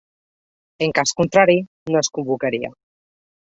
En cas contrari, no es convocaria.